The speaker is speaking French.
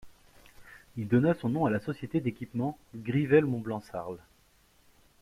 Il donna son nom à la société d'équipement Grivel Mont-Blanc Sarl.